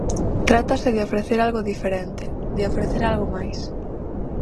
Trátase de ofrecer algo diferente, de ofrecer algo máis.